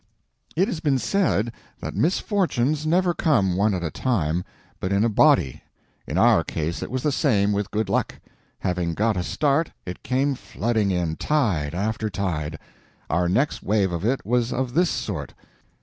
It has been said that misfortunes never come one at a time, but in a body. In our case it was the same with good luck. Having got a start, it came flooding in, tide after tide. Our next wave of it was of this sort.